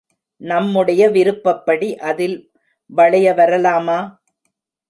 நம்முடைய விருப்பப்படி அதில் வளைய வரலாமா?